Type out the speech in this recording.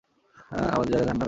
আমাদের জায়গা জাহান্নামেই।